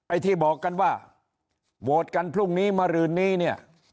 ไอ้ที่บอกกันว่าโหวดกันพรุ่งนี้มารื่นนี้